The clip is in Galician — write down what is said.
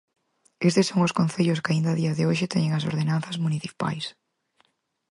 Estes son os concellos que aínda a día de hoxe teñen as ordenanzas municipais.